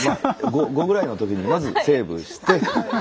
５ぐらいの時にまずセーブして。